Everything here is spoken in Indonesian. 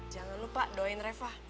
jangan lupa doain reva